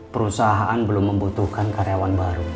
perusahaan belum membutuhkan karyawan baru